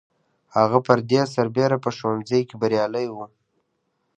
هغه پر دې سربېره په ښوونځي کې بریالی و